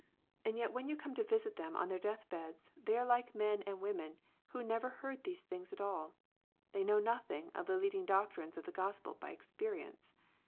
And yet when you come to visit them on their death beds, they are like men and women who never heard these things at all. They know nothing of the leading doc trines of the Gospel by experience.